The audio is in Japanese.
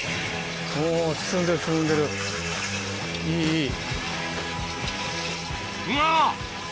いいいい。